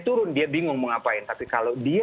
turun dia bingung mau ngapain tapi kalau dia